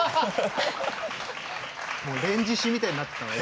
連獅子みたいになってたわよ。